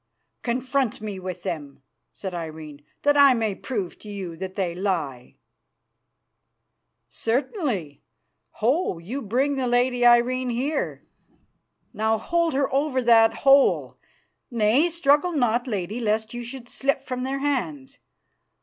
"Confront me with them," said Irene, "that I may prove to you that they lie." "Certainly. Ho! you, bring the lady Irene here. Now hold her over that hole. Nay, struggle not, lady, lest you should slip from their hands.